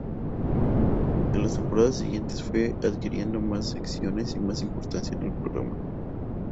En las temporadas siguientes, fue adquiriendo más secciones y más importancia en el programa.